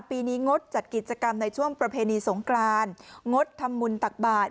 ปีนี้งดจัดกิจกรรมในช่วงประเพณีสงกรานงดทำบุญตักบาท